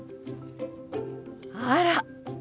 あら！